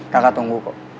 kakak tunggu kok